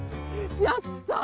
やった！